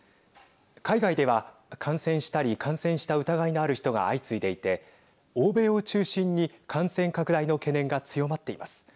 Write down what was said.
海外では、感染したり感染した疑いのある人が相次いでいて欧米を中心に、感染拡大の懸念が強まっています。